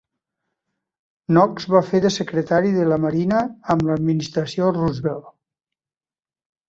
Knox va fer de Secretari de la Marina amb l'administració Roosevelt.